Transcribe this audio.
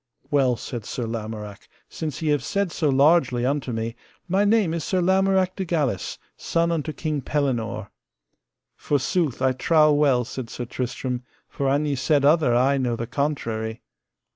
Well, said Sir Lamorak, since ye have said so largely unto me, my name is Sir Lamorak de Galis, son unto King Pellinore. Forsooth, I trow well, said Sir Tristram, for an ye said other I know the contrary.